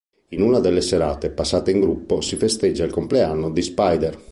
In una delle serate passate in gruppo si festeggia il compleanno di Spider.